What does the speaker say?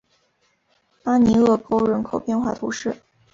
巴尼厄沟人口变化图示